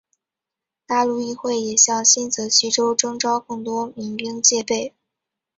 大陆议会也向新泽西州征召更多民兵戒备。